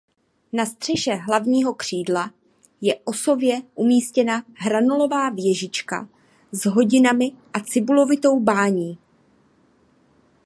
Na střeše hlavního křídla je osově umístěna hranolová věžička s hodinami a cibulovitou bání.